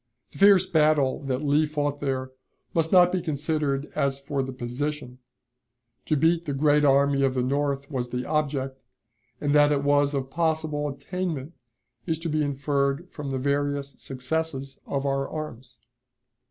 The fierce battle that Lee fought there must not be considered as for the position; to beat the great army of the North was the object, and that it was of possible attainment is to be inferred from the various successes of our arms.